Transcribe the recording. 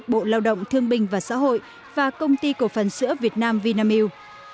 bộ lao động thương bình và xã hội và công ty cổ phần sữa việt nam vinamilk